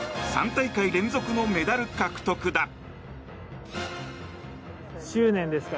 ３大会連続のメダル獲得だ。